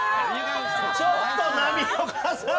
ちょっと波岡さん。